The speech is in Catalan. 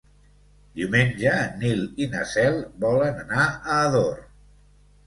Diumenge en Nil i na Cel volen anar a Ador.